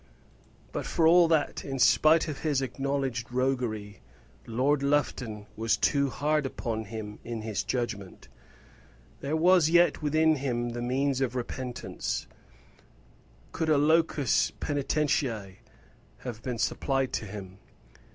But, for all that, in spite of his acknowledged roguery, Lord Lufton was too hard upon him in his judgment. There was yet within him the means of repentance, could a locus penitentiæ have been supplied to him.